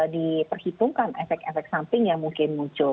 diperhitungkan efek efek samping yang mungkin muncul